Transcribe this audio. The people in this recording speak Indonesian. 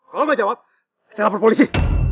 kalau nggak jawab saya lapor polisi